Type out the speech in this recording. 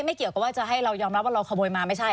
ไม่เกี่ยวกับว่าจะให้เรายอมรับว่าเราขโมยมาไม่ใช่